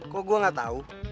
kok gue gak tau